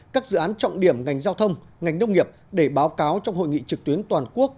các dự án trọng điểm ngành giao thông ngành nông nghiệp để báo cáo trong hội nghị trực tuyến toàn quốc